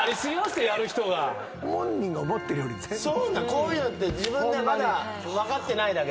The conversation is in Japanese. こういうのって自分でまだ分かってないだけで。